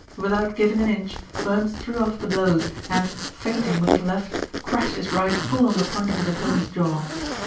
Without giving an inch, Burns threw off the blows and, feinting with his left, crashed his right full on the point of his opponent's jaw.